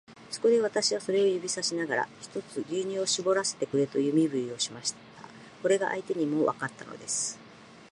そこで、私はそれを指さしながら、ひとつ牛乳をしぼらせてくれという身振りをしました。これが相手にもわかったのです。